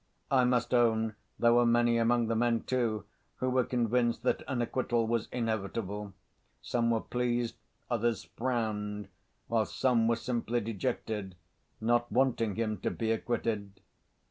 I must own there were many among the men, too, who were convinced that an acquittal was inevitable. Some were pleased, others frowned, while some were simply dejected, not wanting him to be acquitted.